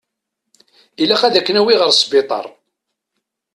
Ilaq ad k-nawi ɣer sbiṭar.